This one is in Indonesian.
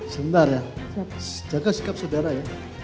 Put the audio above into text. sebentar ya jaga sikap saudara ya